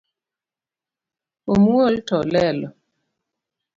Omuol to olelo